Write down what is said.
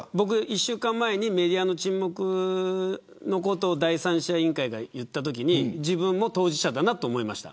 １週間前にメディアの沈黙のことを第三者委員会が言ったときに自分も当事者だなと思いました。